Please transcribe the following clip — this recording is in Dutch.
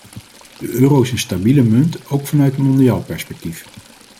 De euro is een stabiele munt, ook vanuit mondiaal perspectief.